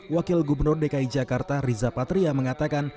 wakil gubernur dki jakarta riza patria mengatakan